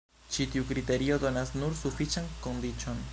Ĉi tiu kriterio donas nur sufiĉan kondiĉon.